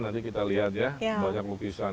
nanti kita lihat ya banyak lukisan